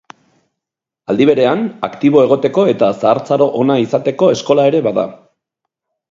Aldiberean, aktibo egoteko eta zahartzaro ona izateko eskola ere bada.